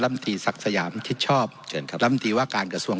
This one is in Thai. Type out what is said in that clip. ตีศักดิ์สยามชิดชอบเชิญครับลำตีว่าการกระทรวง